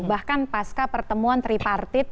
bahkan pasca pertemuan tripartit